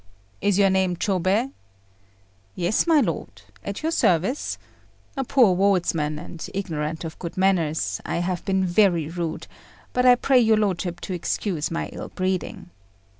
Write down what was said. "Is your name Chôbei?" "Yes, my lord, at your service. A poor wardsman, and ignorant of good manners, I have been very rude; but I pray your lordship to excuse my ill breeding."